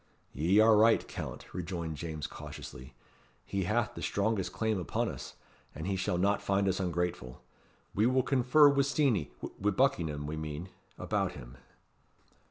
"Ye are right, Count," rejoined James cautiously. "He hath the strongest claim upon us, and he shall not find us ungrateful. We will confer wi' Steenie wi' Buckingham, we mean about him."